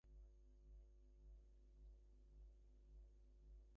They were based in Lansing, Michigan and played their games at Metro Ice Arena.